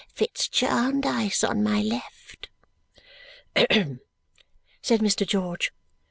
Fitz Jarndyce on my left!" "Hem!" said Mr. George.